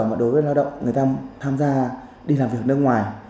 mà đối với người lao động người ta tham gia đi làm việc nước ngoài